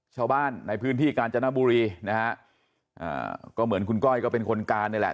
ชาวบ้านในพื้นที่กาญจนบุรีนะฮะอ่าก็เหมือนคุณก้อยก็เป็นคนการนี่แหละ